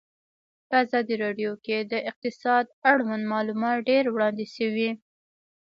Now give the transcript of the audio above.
په ازادي راډیو کې د اقتصاد اړوند معلومات ډېر وړاندې شوي.